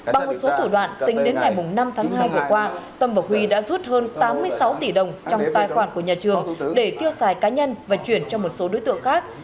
bằng một số thủ đoạn tính đến ngày năm tháng hai vừa qua tâm và huy đã rút hơn tám mươi sáu tỷ đồng trong tài khoản của nhà trường để tiêu xài cá nhân và chuyển cho một số đối tượng khác